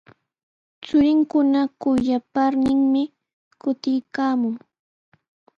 Churinkuna kuyaparninmi kutiykaamun.